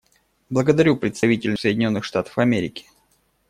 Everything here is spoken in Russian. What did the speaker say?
Благодарю представительницу Соединенных Штатов Америки.